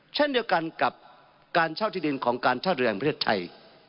เช่นเดียวกันกับการเช่าที่ดินของการท่าเรือแห่งประเทศไทย